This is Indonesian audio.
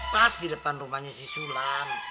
pas di depan rumahnya si sulam